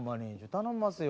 頼んますよ